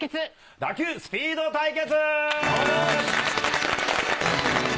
打球スピード対決。